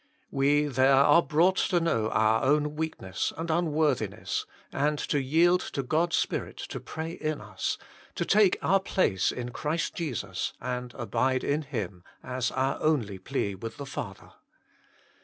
We there are brought to know our own weakness and unworthiness, and to yield to God s Spirit to pray in us, to take our place in Christ Jesus, and abide in Him as our only plea with the Father.